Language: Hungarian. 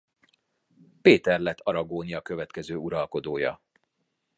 Péter lett Aragónia következő uralkodója.